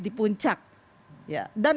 di puncak ya dan